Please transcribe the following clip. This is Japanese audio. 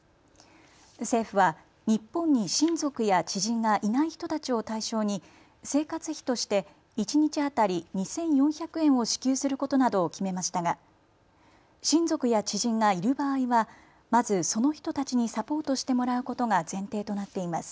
政府は日本に親族や知人がいない人たちを対象に生活費として一日当たり２４００円を支給することなどを決めましたが親族や知人がいる場合はまずその人たちにサポートしてもらうことが前提となっています。